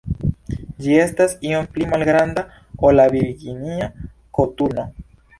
Ĝi estas iom pli malgranda ol la Virginia koturno.